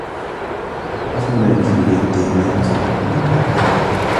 غسل الملابس باليد عملية صعبة ومضيعة للوقت.